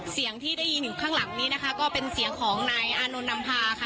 เสียงที่ได้ยินอยู่ข้างหลังนี้นะคะก็เป็นเสียงของนายอานนท์นำพาค่ะ